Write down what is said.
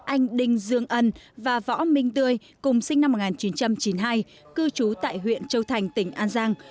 anh đinh dương ân và võ minh tươi cùng sinh năm một nghìn chín trăm chín mươi hai cư trú tại huyện châu thành tỉnh an giang